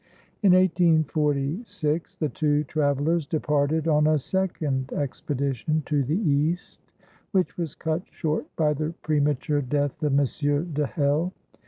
In 1846 the two travellers departed on a second expedition to the East, which was cut short by the premature death of M. de Hell.